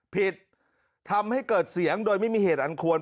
ผิดทำให้เกิดเสียงโดยไม่มีเหตุอันควร